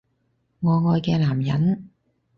我愛嘅男人